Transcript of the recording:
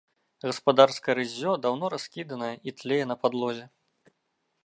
Гаспадарскае рыззё даўно раскіданае і тлее на падлозе.